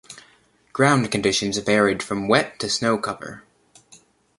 Ground conditions varied from wet to snow cover.